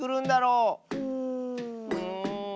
うん。